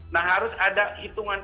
nah harus ada hitungan